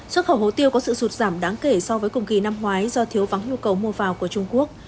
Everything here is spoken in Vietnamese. xuất khẩu hồ tiêu có sự sụt giảm đáng kể so với cùng kỳ năm ngoái do thiếu vắng nhu cầu mua vào của trung quốc